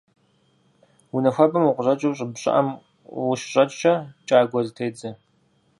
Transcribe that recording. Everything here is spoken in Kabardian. Унэ хуабэм укъыщӀэкӀыу щӀыб щӀыӀэм ущыщӏэкӀкӀэ кӀагуэ зытедзэ.